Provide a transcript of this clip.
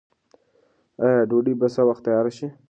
آیا ډوډۍ به په وخت تیاره شي؟